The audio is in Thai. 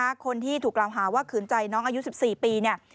เป็นคนที่ถูกหาว่าขืนใจน้องอายุ๑๔ปีเนี่ย